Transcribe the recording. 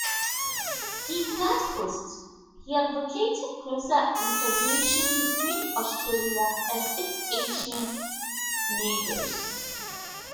In that post, he advocated closer integration between Australia and its Asian neighbours.